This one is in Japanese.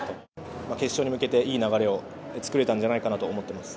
決勝に向けていい流れを作れたんじゃないかなと思ってます。